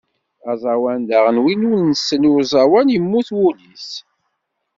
Aẓawan daɣen win ur nsell i uẓawan yemmut wul-is.